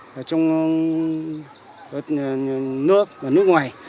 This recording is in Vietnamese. trong nước ngoài